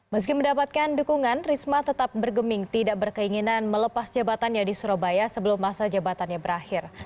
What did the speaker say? meski mendapatkan dukungan risma tetap bergeming tidak berkeinginan melepas jabatannya di surabaya sebelum masa jabatannya berakhir